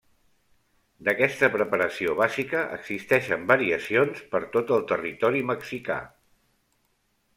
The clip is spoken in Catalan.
D'aquesta preparació bàsica existeixen variacions per tot el territori mexicà.